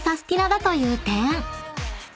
だという点］